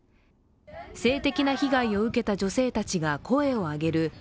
性的な被害を受けた女性たちが声を上げる＃